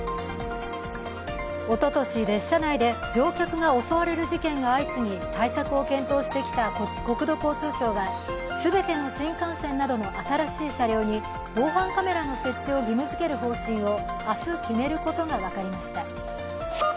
おととし、列車内で乗客が襲われる事件が相次ぎ対策を検討してきた国土交通省は、全ての新幹線などの新しい車両に防犯カメラの設置を義務づける方針を明日決めることが分かりました。